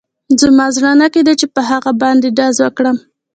زما زړه نه کېده چې په هغه باندې ډز وکړم